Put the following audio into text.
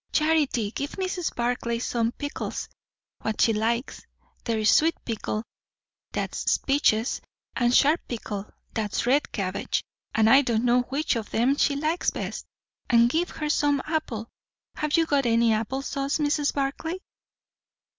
Charity, give Mrs. Barclay some pickles what she likes; there's sweet pickle, that's peaches; and sharp pickle, that's red cabbage; and I don' know which of 'em she likes best; and give her some apple have you got any apple sauce, Mrs. Barclay?"